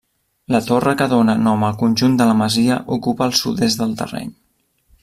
La torre que dóna nom al conjunt de la masia ocupa el sud-est del terreny.